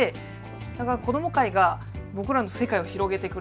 だから子ども会が僕らの世界を広げてくれた。